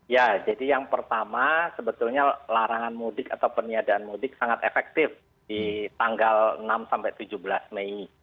ya jadi yang pertama sebetulnya larangan mudik atau peniadaan mudik sangat efektif di tanggal enam sampai tujuh belas mei